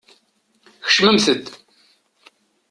Kecmemt-d!